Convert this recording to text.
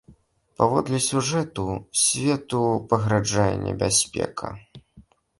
Паводле сюжэту, свету пагражае небяспека.